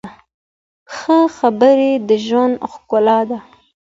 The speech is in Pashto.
ښه خبرې د ژوند ښکلا ده.